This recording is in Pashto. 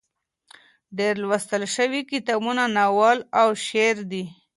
ډېر لوستل شوي کتابونه ناول او شعر دي.